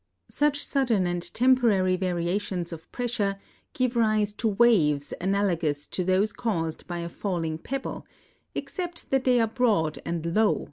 Sucli sudden and temporary variations of l)ressure give rise to waves analogous to those caused l)y a fall ing pebble, except that they are broad and low.